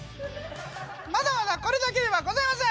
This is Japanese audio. まだまだこれだけではございません！